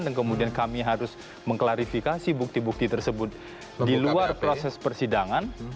dan kemudian kami harus mengklarifikasi bukti bukti tersebut di luar proses persidangan